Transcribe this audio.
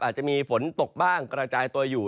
อาจจะมีฝนตกบ้างกระจายตัวอยู่